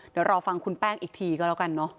เดี๋ยวรอฟังคุณแป้งอีกทีก็แล้วกันเนอะ